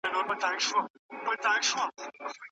په پای کې شخصي خاطره راځي.